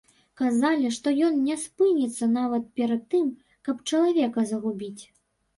Казалі, што ён не спыніцца нават перад тым, каб чалавека загубіць.